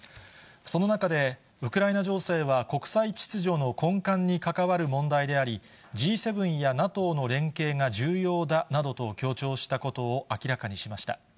その中で、ウクライナ情勢は、国際秩序の根幹にかかわる問題であり、Ｇ７やＮＡＴＯの連携が重要だなどと強調したことを明らかにしました。